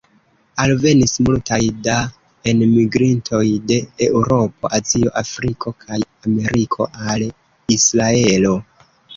Alvenis multaj da enmigrintoj de Eŭropo, Azio, Afriko kaj Ameriko al Israelo.